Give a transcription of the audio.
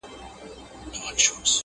چي کوټې ته د خاوند سو ور دننه؛